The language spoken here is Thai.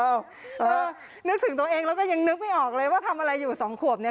นึกถึงตัวเองแล้วก็ยังนึกไม่ออกเลยว่าทำอะไรอยู่สองขวบเนี่ย